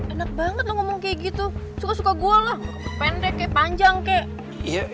enak banget lo ngomong kayak gitu suka suka gua lah pendek kayak panjang kayak